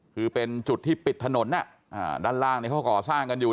คือเป็นจุดที่ปิดถนนน่ะอ่าด้านล่างในข้อก่อสร้างกันอยู่